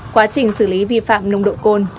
quá trình xử lý vi phạm nồng độ côn